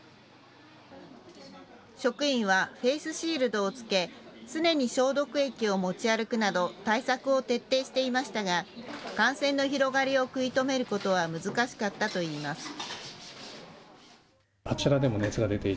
職員はフェイスシールドを着け、常に消毒液を持ち歩くなど対策を徹底していましたが感染の広がりを食い止めることは難しかったと言います。